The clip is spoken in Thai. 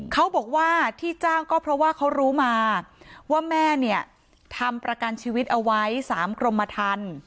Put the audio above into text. เขาบอกว่าที่จ้างก็เพราะว่าเขารู้มาว่าแม่เนี่ยทำประกันชีวิตเอาไว้๓กรมทัน